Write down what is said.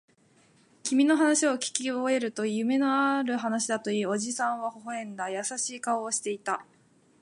君の話をきき終えると、夢のある話だと言い、おじさんは微笑んだ。優しい顔をしていた。